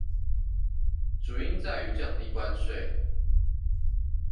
主因在於降低關稅